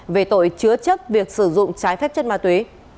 về tội chứa chấp việc sử dụng trái phép chất ma túy